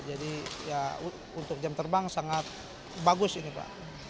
jadi untuk jam terbang sangat bagus ini pak